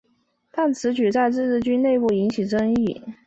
但此举在自治军内部引起争议。